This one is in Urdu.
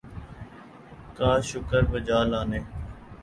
کا شکر بجا لانے